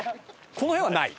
この辺はない。